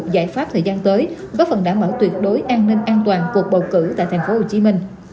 giải pháp thời gian tới góp phần đảm bảo tuyệt đối an ninh an toàn cuộc bầu cử tại tp hcm